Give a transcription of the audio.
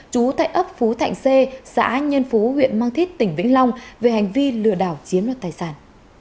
chú thại ấp phú thạnh xê xã nhân phú huyện mang thít tỉnh vĩnh long về hành vi lừa đảo chiếm luật tài sản